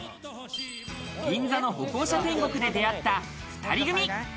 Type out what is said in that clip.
銀座の歩行者天国で出会った２人組。